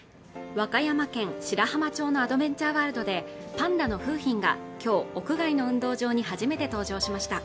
和歌山県白浜町のアドベンチャーワールドでパンダの楓浜がきょう屋外の運動場に初めて登場しました